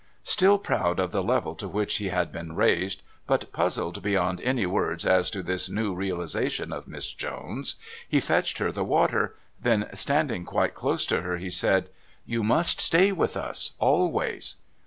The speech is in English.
Still proud of the level to which he had been raised, but puzzled beyond any words as to this new realisation of Miss Jones, he fetched her the water, then, standing quite close to her, he said: "You must stay with us, always."